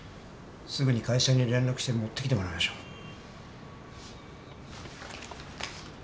すぐに会社に連絡して持ってきてもらいましょう。